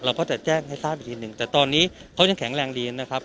เราก็จะแจ้งให้ทราบอีกทีหนึ่งแต่ตอนนี้เขายังแข็งแรงดีนะครับ